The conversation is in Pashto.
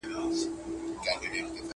ورور وژلی ښه دئ، که گومل پري ايښی؟